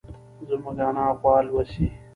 زموږ انا غوا لوسي.